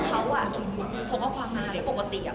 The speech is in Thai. เพราะว่าในเล็กเก่าเสร็จเลย